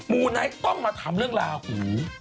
ูไนท์ต้องมาทำเรื่องลาหู